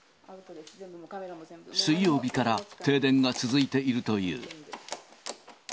水曜日から停電が続いているという。